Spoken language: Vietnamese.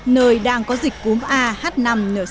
nơi đang có dịch cúm a h năm n sáu